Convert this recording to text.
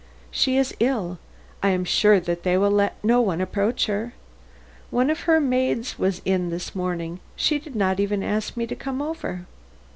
"She is ill; I am sure that they will let no one approach her. One of her maids was in this morning. She did not even ask me to come over."